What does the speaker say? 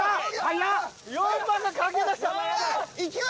４番がかけだした